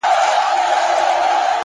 هوښیار انسان فرصتونه ژر پېژني